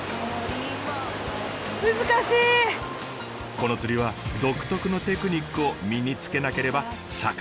この釣りは独特のテクニックを身につけなければ魚に出会えません。